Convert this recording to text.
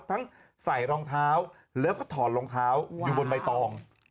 ทั้งใส่รองเท้าแล้วก็ถอดรองเท้าอยู่บนใบตอง